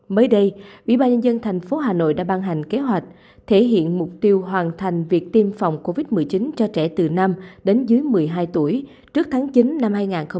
mới đây ubnd tp hà nội đã ban hành kế hoạch thể hiện mục tiêu hoàn thành việc tiêm phòng covid một mươi chín cho trẻ từ năm đến dưới một mươi hai tuổi trước tháng chín năm hai nghìn hai mươi hai